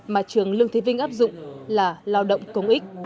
mà trường lương thế vinh áp dụng là lao động công ích